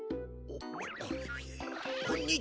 こんにちは